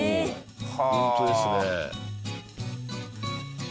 ホントですね。